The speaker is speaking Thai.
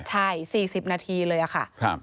ใช่๔๐นาทีเลยค่ะ